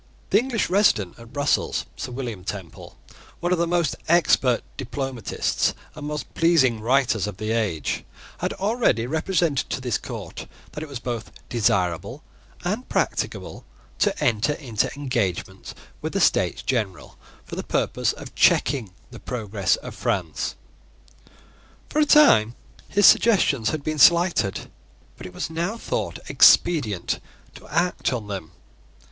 The English resident at Brussels, Sir William Temple, one of the most expert diplomatists and most pleasing writers of that age, had already represented to this court that it was both desirable and practicable to enter into engagements with the States General for the purpose of checking the progress of France. For a time his suggestions had been slighted; but it was now thought expedient to act on them.